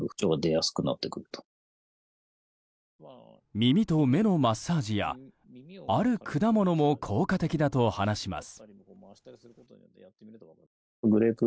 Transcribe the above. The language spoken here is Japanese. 耳と目のマッサージやある果物も効果的だと話します。